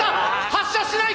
発車しない！